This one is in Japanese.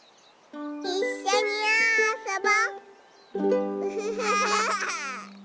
いっしょにあそぼ。